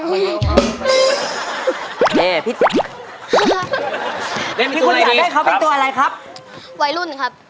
พี่คุณอยากได้เขาเป็นตัวอะไรครับ